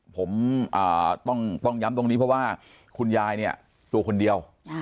ผมจะย้ำตรงนี้เพราะว่าคุณยายตัวคนเดียว